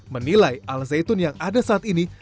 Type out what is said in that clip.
menilai al zaitun yang ada saat ini